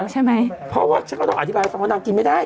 ใช่ไหมเพราะว่าฉันก็ต้องอธิบายให้ฟังว่านางกินไม่ได้